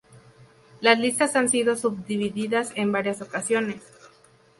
Las listas han sido subdivididas en varias ocasiones.